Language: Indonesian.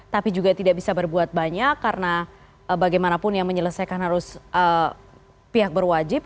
tapi juga tidak bisa berbuat banyak karena bagaimanapun yang menyelesaikan harus pihak berwajib